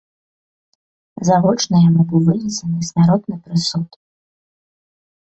Завочна яму быў вынесены смяротны прысуд.